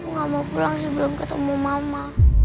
gak mau pulang sebelum ketemu mama